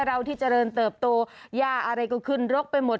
เราที่เจริญเติบโตย่าอะไรก็ขึ้นรกไปหมด